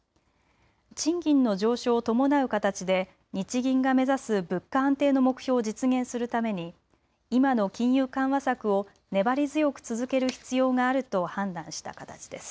賃金の上昇を伴う形で日銀が目指す物価安定の目標を実現するために今の金融緩和策を粘り強く続ける必要があると判断した形です。